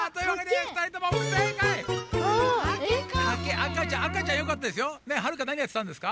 あかちゃんあかちゃんよかったですよ。